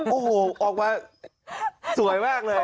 โอ้โหออกมาสวยมากเลย